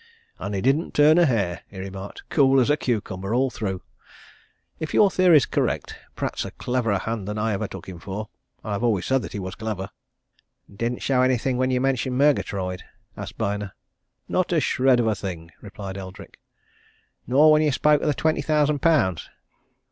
"And he didn't turn a hair," he remarked. "Cool as a cucumber, all through! If your theory is correct, Pratt's a cleverer hand than I ever took him for and I've always said he was clever." "Didn't show anything when you mentioned Murgatroyd?" asked Byner. "Not a shred of a thing!" replied Eldrick. "Nor when you spoke of the twenty thousand pounds?"